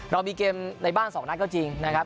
เรามีเกมในบ้าน๒นัดก็จริงนะครับ